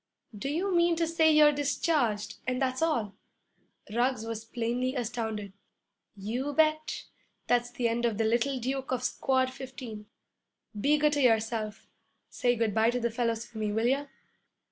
'Do you mean to say you're discharged and that's all?' Ruggs was plainly astounded. 'You bet; that's the end of the little Duke of Squad 15. Be good to yourself. Say good bye to the fellows for me, will you?'